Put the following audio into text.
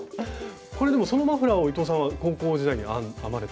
これでもそのマフラーを伊藤さんは高校時代に編まれた。